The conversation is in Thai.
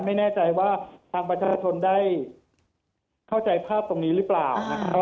ไม่แน่ใจว่าทางประชาชนได้เข้าใจภาพตรงนี้หรือเปล่านะครับ